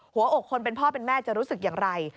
หัวอกคนเป็นพ่อเป็นแม่จะรู้สึกอย่างไร